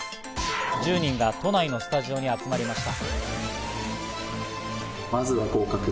１０人が都内のスタジオに集まりました。